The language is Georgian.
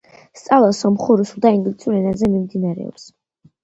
სწავლა სომხურ, რუსულ და ინგლისურ ენაზე მიმდინარეობს.